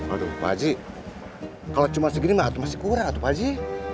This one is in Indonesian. aduh pakcik kalau cuma segini masih kurang tuh pakcik